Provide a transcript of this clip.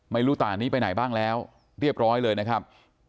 ไม่รู้ต่างนี้ไปไหนบ้างแล้วเรียบร้อยเลยนะครับ